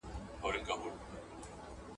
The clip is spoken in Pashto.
خواره کې هغه مينځه، چي دمينځي کونه مينځي.